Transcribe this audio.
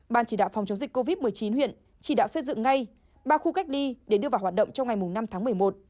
ban chỉ đạo phòng chống dịch covid một mươi chín huyện chỉ đạo xây dựng ngay ba khu cách ly để đưa vào hoạt động trong ngày năm tháng một mươi một